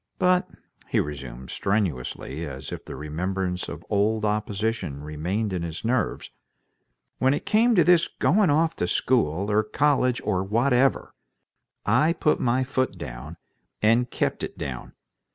But," he resumed, strenuously, as if the remembrance of old opposition remained in his nerves, "when it came to this going off to school, or college, or whatever, I put my foot down, and kept it down.